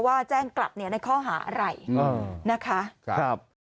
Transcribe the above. แจ้งกลับในข้อหาอะไรนะคะ